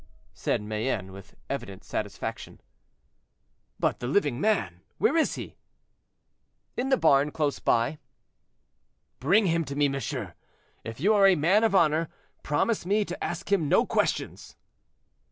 said Mayenne, with evident satisfaction. "But the living man; where is he?" "In the barn, close by." "Bring him to me, monsieur; and if you are a man of honor, promise me to ask him no questions."